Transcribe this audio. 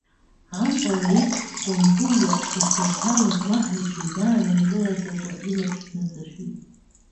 Ампыл аиԥш дкәымпылуа дахьылҭалаз, уаҳа иҽизаанымкылаӡакәа илаԥш дныҵшәеит.